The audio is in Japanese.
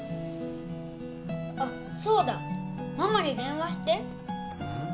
あっそうだママに電話してうん？